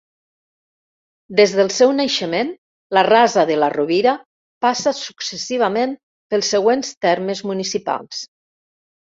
Des del seu naixement, la Rasa de la Rovira passa successivament pels següents termes municipals.